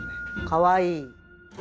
かわいい。